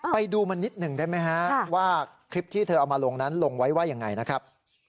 ไปดูมันนิดหนึ่งได้ไหมฮะว่าคลิปที่เธอเอามาลงนั้นลงไว้ว่ายังไงนะครับ